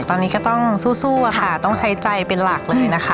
ตอนนี้ก็ต้องสู้ค่ะต้องใช้ใจเป็นหลักเลยนะคะ